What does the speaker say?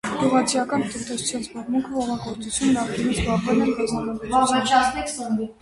Գյուղացիական տնտեսության զբաղմունքը՝ հողագործություն, նախկինում զբաղվել են գազանաբուծությամբ։